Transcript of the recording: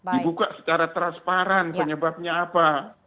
dibuka secara transparan penyebabnya apa